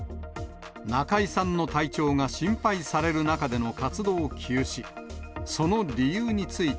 中居さんの体調が心配される中での活動休止。